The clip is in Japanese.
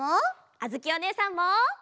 あづきおねえさんも！